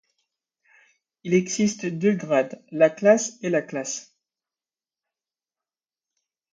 Il existe deux grades, la classe et la classe.